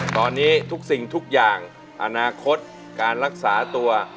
ตอนนี้ทุกสิ่งทุกอย่างอนาคตการรักษาตัว